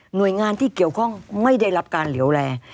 หน่วยงานที่เกี่ยวข้องไม่ได้รับการเหลี่ยวแรง